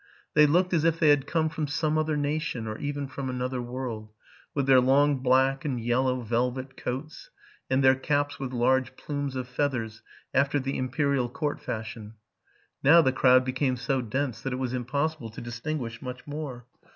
They looked as if they had come from some other nation, or even from another world, with their long biack and yellow velvet coats, and their caps with large plumes of feathers, after the imperial court fashion. Now the crowd became so dense that it was impossible to distinguish much more.